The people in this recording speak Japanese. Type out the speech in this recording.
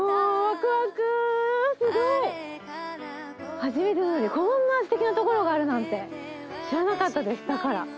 初めてなのにこんなすてきな所があるなんて知らなかったですだから。